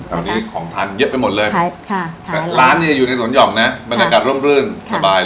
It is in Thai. ตอนนี้ของทานเยอะไปหมดเลยร้านเนี่ยอยู่ในสวนห่องนะบรรยากาศร่มรื่นสบายเลย